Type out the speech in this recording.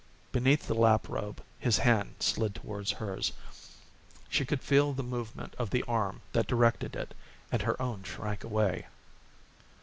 Beneath the lap robe his hand slid toward hers. She could feel the movement of the arm that directed it and her own shrank away.